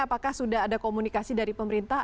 apakah sudah ada komunikasi dari pemerintah